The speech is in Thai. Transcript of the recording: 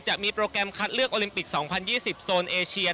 จะมีโปรแกรมคัดเลือกโอลิมปิก๒๐๒๐โซนเอเชีย